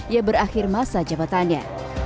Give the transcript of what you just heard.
yang berakhir masa jabatannya